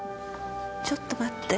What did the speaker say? ちょっと待って。